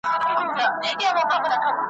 او له هیلمند څخه تر جلال آباد `